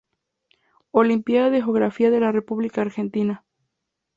Olimpíada de Geografía de la República Argentina